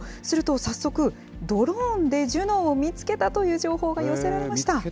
すると早速、ドローンでジュノーを見つけたという情報が寄せられました。